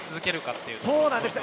そうなんですね。